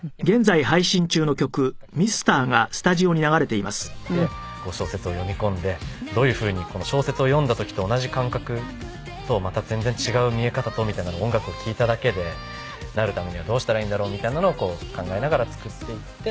楽曲を作る時は僕が１人で全部作って小説を読み込んでどういうふうに小説を読んだ時と同じ感覚とまた全然違う見え方とみたいなのを音楽を聴いただけでなるためにはどうしたらいいんだろう？みたいなのを考えながら作っていって。